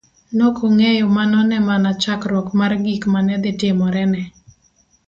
Nokong'eyo mano ne mana chakruok mar gik mane dhi timore ne.